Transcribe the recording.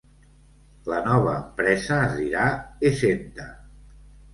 La nova empresa es dirà Essenta.